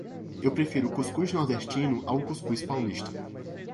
Eu prefiro o cuscuz nordestino ao cuscuz paulista.